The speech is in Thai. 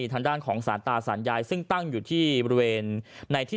ทางด้านของสาธารณ์สาญายในที่